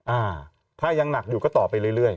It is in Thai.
อ่าถ้ายังหนักอยู่ก็ต่อไปเรื่อย